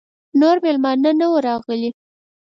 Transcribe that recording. نور مېلمانه نه وه راغلي.